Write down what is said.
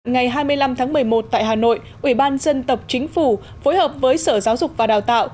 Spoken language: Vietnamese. ngày hai mươi năm tháng một mươi một tại hà nội ủy ban dân tộc chính phủ phối hợp với sở giáo dục và đào tạo